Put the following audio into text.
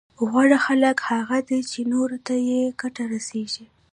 غوره خلک هغه دي چي نورو ته يې ګټه رسېږي